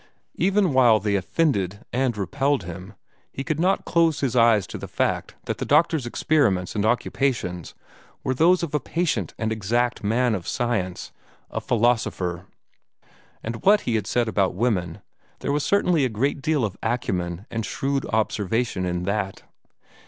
Even while they offended and repelled him, he could not close his eyes to the fact that the doctor's experiments and occupations were those of a patient and exact man of science a philosopher. And what he had said about women there was certainly a great deal of acumen and shrewd observation in that.